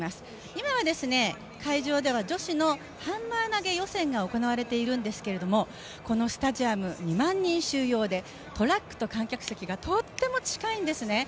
今は会場では、女子のハンマー投予選が行われているんですけれどもこのスタジアム２万人収容でトラックと観客席がとっても近いんですね。